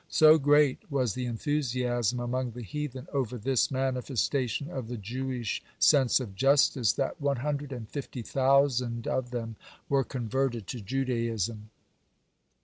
So great was the enthusiasm among the heathen over this manifestation of the Jewish sense of justice that one hundred and fifty thousand of them were converted to Judaism.